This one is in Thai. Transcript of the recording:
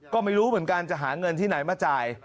ก็ไม่รู้เหมือนกันจะหาเงินที่ไหนมาจ่าย